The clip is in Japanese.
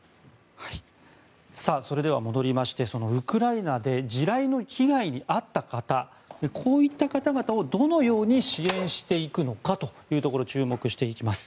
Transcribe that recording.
それでは戻りましてウクライナで地雷の被害に遭った方こういった方々をどのように支援していくのかというところ注目していきます。